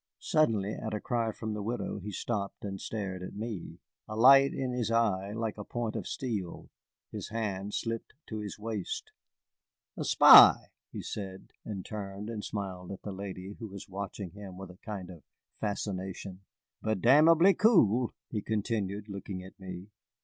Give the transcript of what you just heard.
Suddenly, at a cry from the widow, he stopped and stared at me, a light in his eye like a point of steel. His hand slipped to his waist. "A spy," he said, and turned and smiled at the lady, who was watching him with a kind of fascination; "but damnably cool," he continued, looking at me.